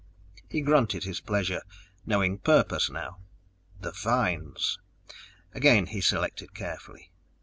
He grunted his pleasure, knowing purpose now. The vines! Again he selected carefully.